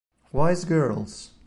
Wise Girls